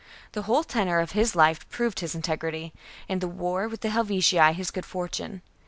The whole tenor of his life proved his integrity, and the war with the Helvetii his good fortune.